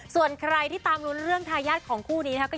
ส่วนใครที่ตามรุ้นเรื่องทายาทของคู่นี้นะครับ